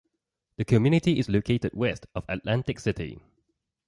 The community is located west of Atlantic City.